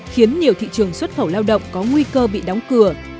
khiến nhiều thị trường xuất khẩu lao động có nguy cơ bị đóng cửa